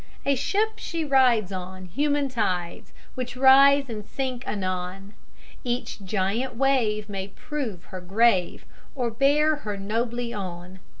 A ship she rides on human tides which rise and sink anon: each giant wave may prove her grave, or bear her nobly on.